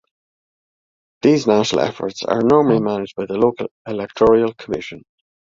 These national efforts are normally managed by the local electoral commission.